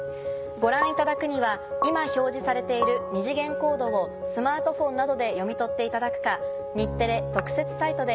ご覧いただくには今表示されている二次元コードをスマートフォンなどで読み取っていただくか。